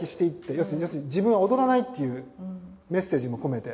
要するに自分は踊らないっていうメッセージも込めて。